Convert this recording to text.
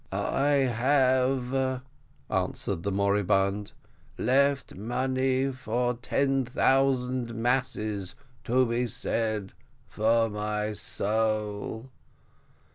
"I have," answered the moribund, "left money for ten thousand masses to be said for my soul."